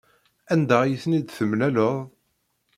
Anda ay ten-id-temlaleḍ?